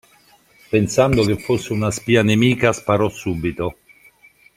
Pensando che fosse una spia nemica sparò subito.